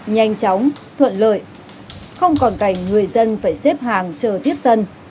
nhanh chóng thuận lợi không còn cảnh người dân phải xếp hàng chờ tiếp dân